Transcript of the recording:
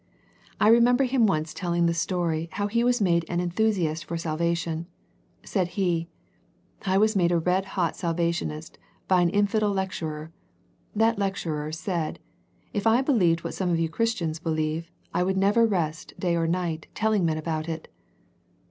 I remember him once telling the story how he was made an enthusiast for salvation. Said he, " I was made a red hot Salvationist by an infidel lecturer. That lecturer said, * If I be lieved what some of you Christians believe, I would never rest day nor night telling men about it.'